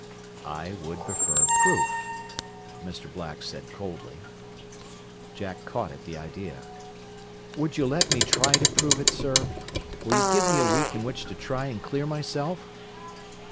"I would prefer proof," Mr. Black said coldly. Jack caught at the idea. "Would you let me try to prove it, sir? Will you give me a week in which to try and clear myself?"